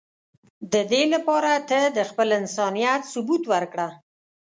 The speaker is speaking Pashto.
د دی لپاره ته د خپل انسانیت ثبوت ورکړه.